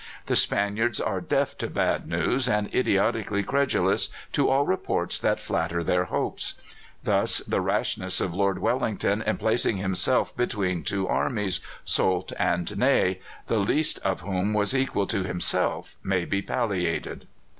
The Spaniards are deaf to bad news and idiotically credulous to all reports that flatter their hopes. Thus the rashness of Lord Wellington in placing himself between two armies, Soult and Ney, the least of whom was equal to himself, may be palliated.